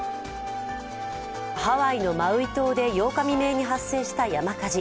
ハワイのマウイ島で８日未明に発生した山火事。